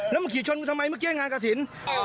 แล้วมึงขี่ชนกูทำไมเมื่อกี้งานกระถิ่น